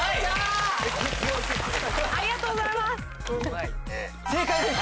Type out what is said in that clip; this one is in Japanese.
ありがとうございます。